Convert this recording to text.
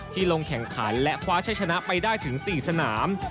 ลงแข่งขันและคว้าใช้ชนะไปได้ถึง๔สนาม